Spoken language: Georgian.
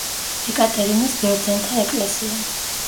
ეკატერინეს ბერძენთა ეკლესია.